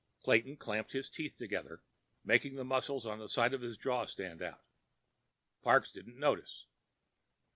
Clayton clamped his teeth together, making the muscles at the side of his jaw stand out. Parks didn't notice.